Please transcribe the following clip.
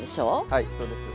はいそうです。